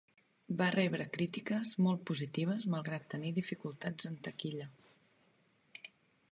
Va rebre crítiques molt positives malgrat tenir dificultats en taquilla.